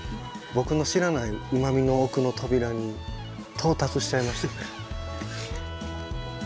僕の知らないうまみの奥の扉に到達しちゃいましたね。